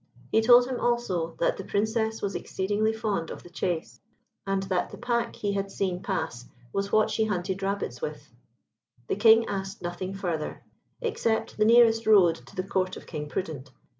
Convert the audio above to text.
He told him, also, that the Princess was exceedingly fond of the chase, and that the pack he had seen pass was what she hunted rabbits with. The King asked nothing further, except the nearest road to the Court of King Prudent.